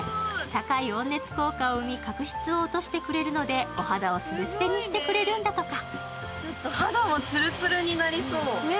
高い温熱効果を生み、角質を落としてくれるので、お肌をスベスベにしてくれるんだとか。